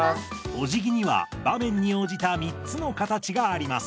お辞儀には場面に応じた３つの形があります。